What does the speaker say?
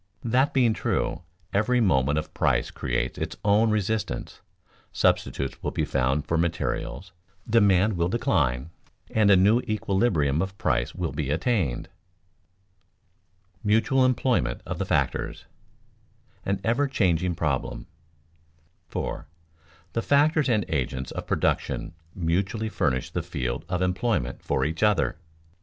That being true, every movement of price creates its own resistance; substitutes will be found for materials, demand will decline, and a new equilibrium of price will be attained. [Sidenote: Mutual employment of the factors] [Sidenote: An ever changing problem] 4. _The factors and agents of production mutually furnish the field of employment for each other.